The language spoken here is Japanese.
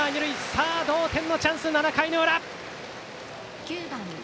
さあ、同点のチャンス、７回の裏。